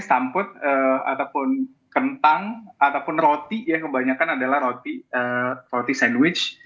stumput ataupun kentang ataupun roti ya kebanyakan adalah roti sandwich